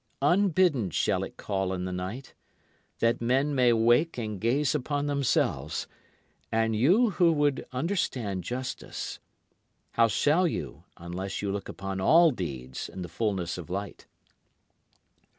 Unbidden shall it call in the night, that men may wake and gaze upon themselves. And you who would understand justice, how shall you unless you look upon all deeds in the fullness of light?